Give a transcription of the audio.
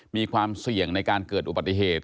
มีความเสี่ยงในการเกิดอุบัติเหตุ